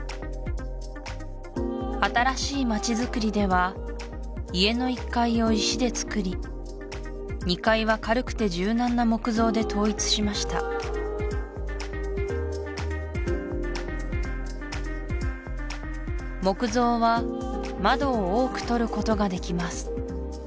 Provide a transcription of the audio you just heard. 新しい町づくりでは家の１階を石で造り２階は軽くて柔軟な木造で統一しました木造は窓を多く取ることができます